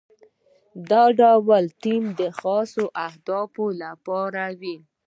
دا ډول ټیم د خاص هدف لپاره وي.